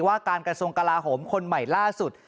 ว่าการกระทรวงกลาโหมคนใหม่ล่าสุด